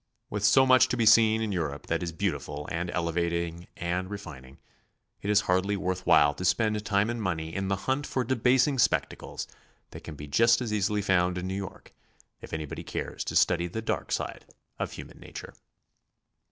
With so much to be seen in Europe that is beautiful HOW TO SEE. 1S3 and elevating and refining, i t is 'hardly worth w'hile to spend time and money in the hunt for debasing spectacles that can be just as easily found in New York, if anybody cares to study the dark side of human nature.